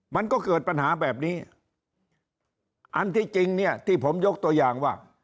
มันก็เกิดปัญหาแบบนี้อันที่จริงเนี่ยที่ผมยกตัวอย่างว่า